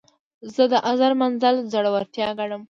زه د عذر منل زړورتیا ګڼم.